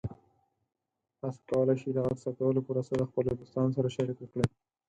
تاسو کولی شئ د غږ ثبتولو پروسه د خپلو دوستانو سره شریکه کړئ.